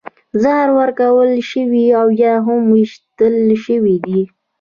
زهر ورکړل شوي او یا هم ویشتل شوي دي